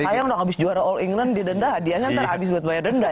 sayang dong habis juara all england didenda hadiahnya nanti habis buat bayar denda ya